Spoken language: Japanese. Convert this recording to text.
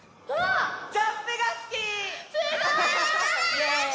イエーイ！